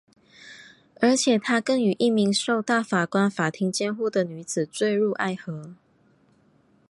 而且他更与一名受大法官法庭监护的女子堕入爱河。